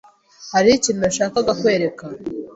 Hariho ikintu nashakaga kwereka .